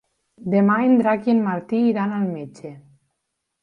Demà en Drac i en Martí iran al metge.